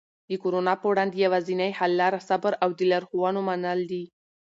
د کرونا په وړاندې یوازینی حل لاره صبر او د لارښوونو منل دي.